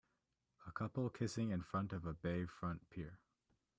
A couple kissing in front of a bay front pier.